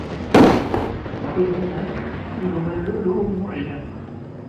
يخرج منهما اللؤلؤ والمرجان